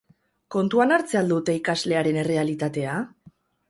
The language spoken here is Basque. Kontuan hartzen al dute ikaslearen errealitatea?